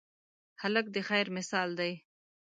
هلک د خیر مثال دی.